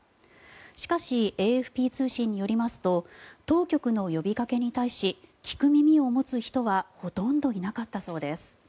しかし、ＡＦＰ通信によりますと当局の呼びかけに対し聞く耳を持つ人はほとんどいなかったそうです。